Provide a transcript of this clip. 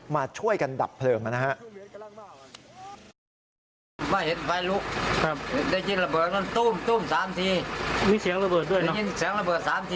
มาช่วยกันดับเพลิงนะครับ